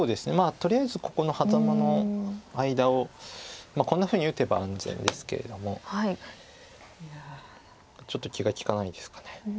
とりあえずここのハザマの間をこんなふうに打てば安全ですけれどもちょっと気が利かないですか。